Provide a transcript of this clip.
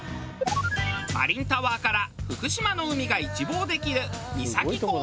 マリンタワーから福島の海が一望できる三崎公園。